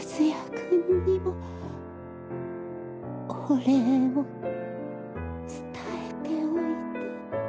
君にもお礼を伝えておいて。